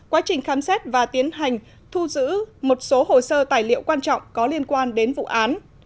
quá trình khám xét và tiến hành thu giữ một số hồ sơ tài liệu quan trọng có liên quan đến vụ án